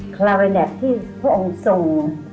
คลาเวนัทที่พระองค์ส่ง